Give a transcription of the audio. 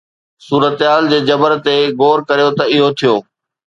صورتحال جي جبر تي غور ڪريو ته اهو ٿيو.